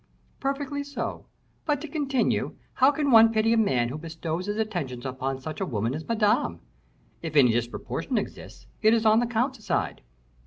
"Perfectly so; but to continue: how can one pity a man who bestows his attentions upon such a woman as Madame? If any disproportion exists, it is on the count's side."